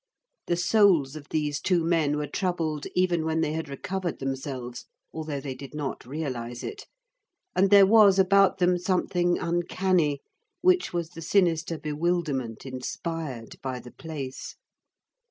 The souls of these two men were troubled even when they had recovered themselves, although they did not realize it, and there was about them something uncanny, which was the sinister bewilderment inspired by the place.